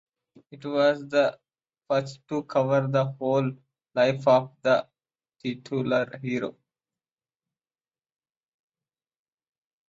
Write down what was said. It was the first to cover the whole life of the titular hero.